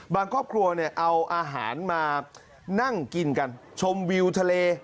ครอบครัวเอาอาหารมานั่งกินกันชมวิวทะเล